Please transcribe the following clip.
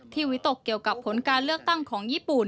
วิตกเกี่ยวกับผลการเลือกตั้งของญี่ปุ่น